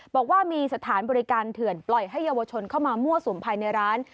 บอกว่ามีสถานบริการเถื่อนปล่อยให้เยาวชนเข้ามามั่วสุมภายในร้าน